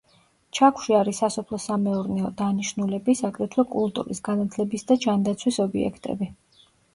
ჩაქვში არის სასოფლო-სამეურნეო დანიშნულების, აგრეთვე კულტურის, განათლების და ჯანდაცვის ობიექტები.